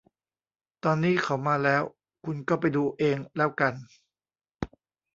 ตอนนี้เขามาแล้ว คุณก็ไปดูเองแล้วกัน